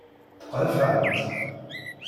Teqqrefɛemt.